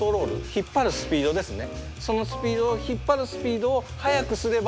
引っ張るスピードですね。